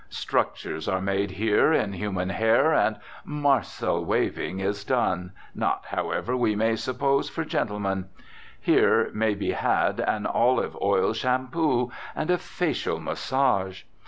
"Structures" are made here in human hair, and "marcel waving" is done, not, however, we may suppose, for gentlemen. Here may be had an "olive oil shampoo," and a "facial massage."